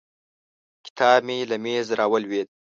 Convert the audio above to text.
کتاب مې له مېز راولوېد.